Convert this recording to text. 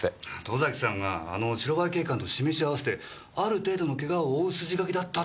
戸崎さんがあの白バイ警官と示し合わせてある程度のケガを負う筋書きだったっていうんですか？